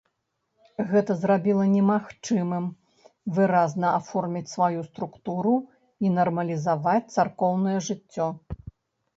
Гэта зрабіла немагчымым выразна аформіць сваю структуру і нармалізаваць царкоўнае жыццё.